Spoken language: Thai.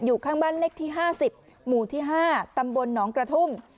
อยู่ข้างบ้านเลขที่๕๐หมู่ที่๕ตำบลหนองกระทุ่ม